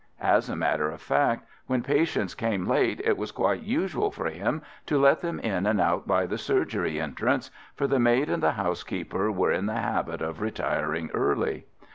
As a matter of fact, when patients came late it was quite usual for him to let them in and out by the surgery entrance, for the maid and the housekeeper were in the habit of retiring early.